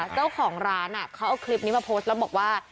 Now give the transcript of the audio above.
เจ้าของร้านเขาเอาคลิปนี้มาโพสต์แล้วบอกว่า